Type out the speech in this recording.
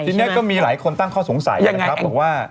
ทีนี้ก็มีหลายคนตั้งข้อสงสัยนะครับบอกว่า